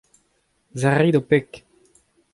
Serrit ho peg.